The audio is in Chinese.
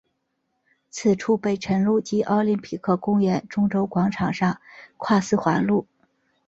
此处北辰路及奥林匹克公园中轴广场上跨四环路。